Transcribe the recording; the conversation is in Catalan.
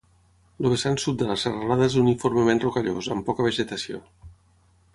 El vessant sud de la serralada és uniformement rocallós, amb poca vegetació.